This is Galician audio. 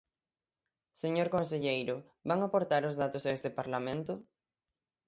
Señor conselleiro, ¿van aportar os datos a este Parlamento?